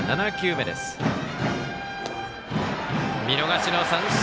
見逃しの三振！